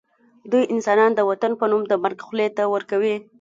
دوی انسانان د وطن په نوم د مرګ خولې ته ورکوي